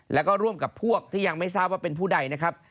แล้วก็ร่วมกับพวกที่ยังไม่ทราบว่าเป็นผู้ใดนะครับ